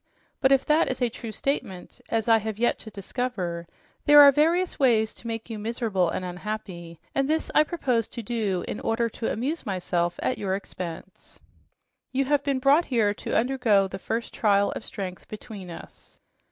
But if that is a true statement, as I have yet to discover, there are various ways to make you miserable and unhappy, and this I propose to do in order to amuse myself at your expense. You have been brought here to undergo the first trial of strength between us."